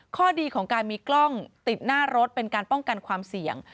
ข้อดีของการมีกล้องติดหน้ารถเป็นการป้องกันความเสี่ยง